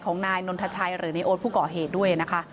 ของนายนนทชัยหรือในโอ๊ตผู้ก่อเหตุด้วยนะคะ